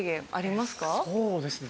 そうですね